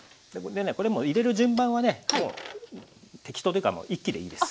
でねこれも入れる順番はねもう適当というか一気でいいんです。